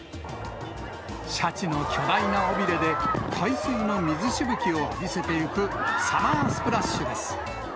シャチの巨大な尾びれで、海水の水しぶきを浴びせてゆくサマースプラッシュです。